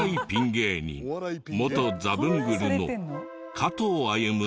芸人元ザブングルの加藤歩出生の地。